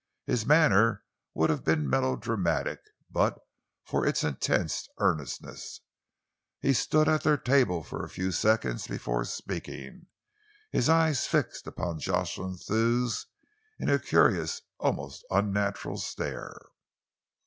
His manner would have been melodramatic but for its intense earnestness. He stood at their table for a few seconds before speaking, his eyes fixed upon Jocelyn Thew's in a curious, almost unnatural stare.